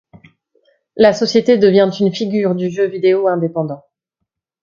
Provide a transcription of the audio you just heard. La société devient une figure du jeu vidéo indépendant.